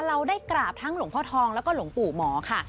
เราได้กราบทั้งหลวงพ่อทองแล้วก็หลวงปู่หมอค่ะ